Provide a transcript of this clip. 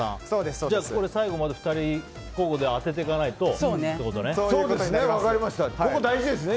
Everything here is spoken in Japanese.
じゃあ最後まで２人交互で当てていけばいいってことね。